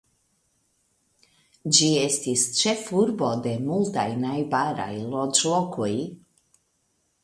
Ĝi estis ĉefurbo de multaj najbaraj loĝlokoj.